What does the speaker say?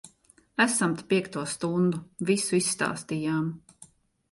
Esam te piekto stundu. Visu izstāstījām.